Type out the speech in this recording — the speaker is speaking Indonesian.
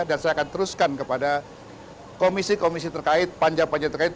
dan saya akan teruskan kepada komisi komisi terkait panjang panjang terkait